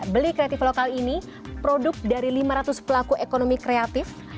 beli kreatif lokal ini produk dari lima ratus pelaku ekonomi kreatif